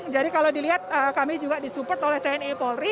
kalau dilihat kami juga disupport oleh tni polri